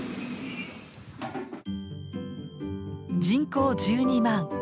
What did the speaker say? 人口１２万。